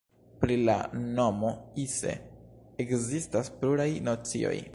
Pri la nomo "Ise" ekzistas pluraj nocioj.